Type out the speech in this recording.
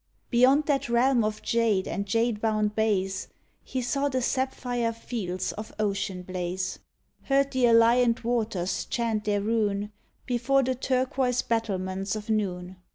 Beyond that realm of jade and jade bound bays, He saw the sapphire fields of ocean blaze; Heard the alliant waters chant their rune Before the turquoise battlements of noon.